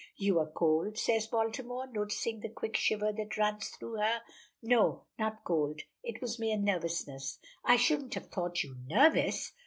"You are cold?" says Baltimore, noticing the quick shiver that runs through her. "No: not cold. It was mere nervousness." "I shouldn't have thought you nervous."